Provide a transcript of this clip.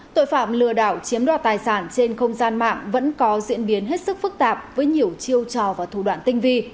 tội phạm lừa đảo chiếm đoạt tài sản trên không gian mạng vẫn có diễn biến hết sức phức tạp với nhiều chiêu trò và thủ đoạn tinh vi